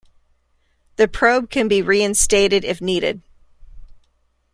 The probe can be reinstated if needed.